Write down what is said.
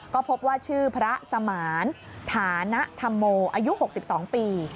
ก็พบว่าชื่อพระสมานฐานธรรโมอายุ๖๒ปี